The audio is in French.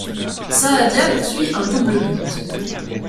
Saadia poursuit un double but.